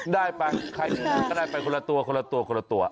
ได้ไปใครทุกอย่างก็ได้ไปคนละตัวคนละตัว